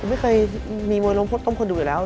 ไม่เคยมีมวยล้มพดต้มคนดูอยู่แล้ว